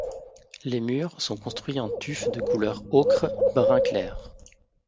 Les murs sont construits en tuf de couleur ocre, brun clair.